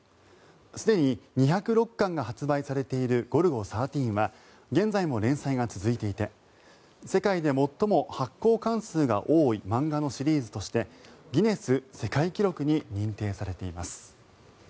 すでに２０６巻が発売されている「ゴルゴ１３」は現在も連載が続いていて世界で最も発行巻数が多い漫画のシリーズとしてギネス世界記録に認定されています。